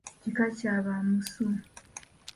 Kika kya ba Musu.